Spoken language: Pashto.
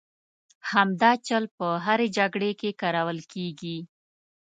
همدا چل په هرې جګړې کې کارول کېږي.